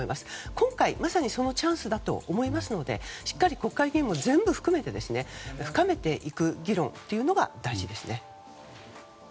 今回、まさにそのチャンスだと思いますのでしっかり国会議員も全部含めて深めていく議論というのが大事ですね。